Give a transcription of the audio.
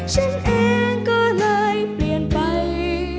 ฉันเองก็เลยเปลี่ยนไป